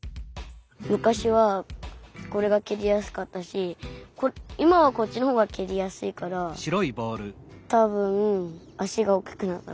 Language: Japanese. むかしはこれがけりやすかったし今はこっちのほうがけりやすいからたぶんあしがおっきくなったから。